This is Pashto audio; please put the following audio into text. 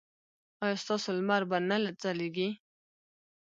ایا ستاسو لمر به نه ځلیږي؟